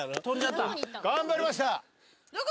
頑張りました。